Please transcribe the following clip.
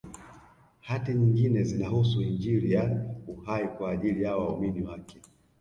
Hati nyingine zinahusu Injili ya Uhai kwa ajili ya waumini wake